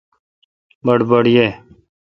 بڑبڑ یہ